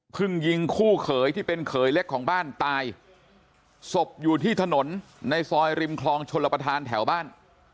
ยิงคู่เขยที่เป็นเขยเล็กของบ้านตายศพอยู่ที่ถนนในซอยริมคลองชลประธานแถวบ้าน